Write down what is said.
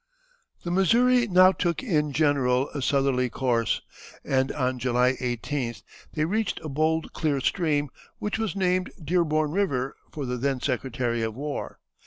The Missouri now took in general a southerly course, and on July 18th they reached a bold clear stream, which was named Dearborn River for the then Secretary of War.